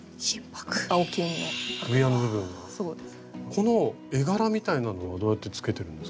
この絵柄みたいなのはどうやってつけてるんですか？